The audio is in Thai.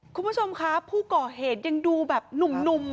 คุณผู้ชมคะผู้ก่อเหตุยังดูแบบหนุ่ม